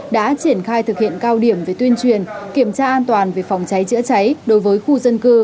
đã triển khai thực hiện cao điểm về tuyên truyền kiểm tra an toàn về phòng cháy chữa cháy đối với khu dân cư